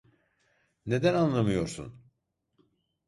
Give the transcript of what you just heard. Neden anlamıyorsun?